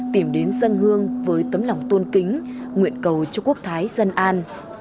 tìm đến dân hương với tấm lòng tôn kính nguyện cầu cho quốc thái dân an